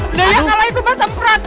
udah ya kalau itu pas semprot